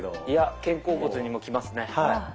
いや肩甲骨にもきますね。